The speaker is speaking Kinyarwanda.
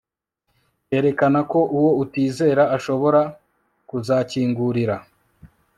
kerekana ko uwo utizera ashobora kuzakingurira